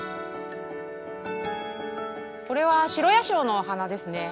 これはシロヤシオの花ですね。